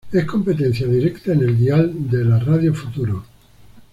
Es competencia directa en el dial de la radio Futuro.